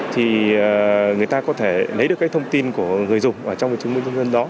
thì người ta có thể lấy được cái thông tin của người dùng ở trong cái chứng minh nhân dân đó